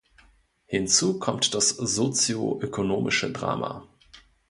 Hinzu kommt das sozioökonomische Drama.